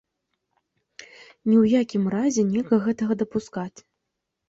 Ні ў якім разе нельга гэтага дапускаць.